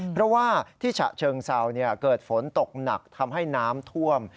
เพราะว่าที่ฉะเชิงเซาเกิดฝนตกหนักทำให้น้ำท่วม